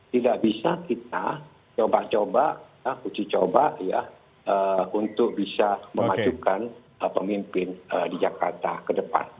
tidak bisa kita coba coba untuk bisa memajukan pemimpin di jakarta ke depan